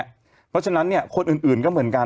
เพราะฉะนั้นคนอื่นก็เหมือนกัน